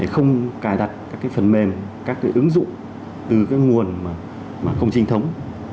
không cài đặt các phần mềm các ứng dụng từ các nguồn không trinh thống